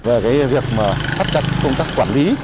và việc phát chặt công tác quản lý